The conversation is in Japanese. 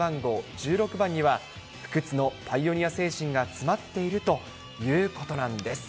１６番には、不屈のパイオニア精神が詰まっているということなんです。